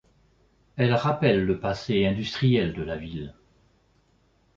Elle rappelle le passé industriel de la ville.